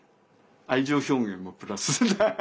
愛情表現をプラス。